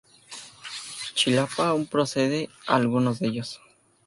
Chilapa aún produce algunos de ellos.